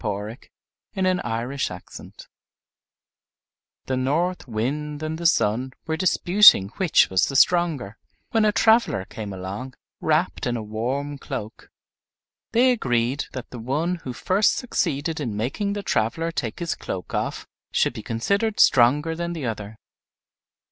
Orthographic version The North Wind and the Sun were disputing which was the stronger, when a traveler came along wrapped in a warm cloak. They agreed that the one who first succeeded in making the traveler take his cloak off should be considered stronger than the other.